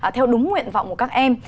theo đúng nguyện vọng của các em